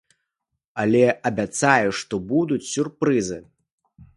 Але абяцаюць, што будуць сюрпрызы!